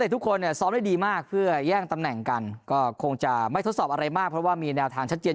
ทุกคนซ้อมได้ดีมากเพื่อแย่งตำแหน่งกันก็คงจะไม่ทดสอบอะไรมากเพราะว่ามีแนวทางชัดเจน